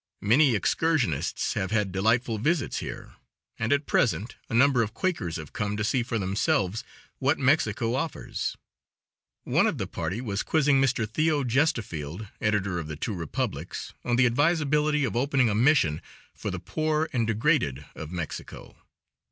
Many excursionists have had delightful visits here, and at present a number of Quakers have come to see for themselves what Mexico offers. One of the party was quizzing Mr. Theo. Gestefeld, editor of the Two Republics, on the advisability of opening a mission for the poor and degraded of Mexico.